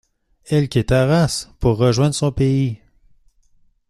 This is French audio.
Elle quitte Arras pour rejoindre son pays.